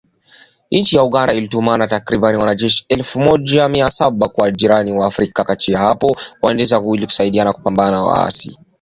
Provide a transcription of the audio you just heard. Nchi ya Uganda ilituma takribani wanajeshi elfu moja mia saba kwa jirani yake wa Afrika ya kati hapo mwezi Disemba ili kusaidia kupambana na kundi la waasi.